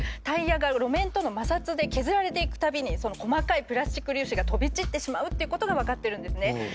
タイヤが路面との摩擦で削られていくたびにその細かいプラスチック粒子が飛び散ってしまうっていうことが分かってるんですね。